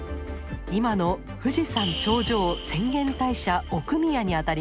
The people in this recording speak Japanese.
今の富士山頂上浅間大社奥宮にあたります。